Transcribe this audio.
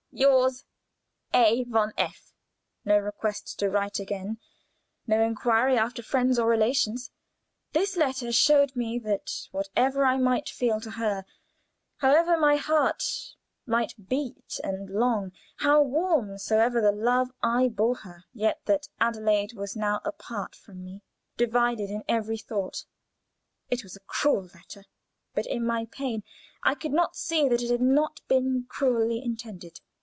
"Yours, "A. von F." No request to write again! No inquiry after friends or relations! This letter showed me that whatever I might feel to her however my heart might beat and long, how warm soever the love I bore her, yet that Adelaide was now apart from me divided in every thought. It was a cruel letter, but in my pain I could not see that it had not been cruelly intended.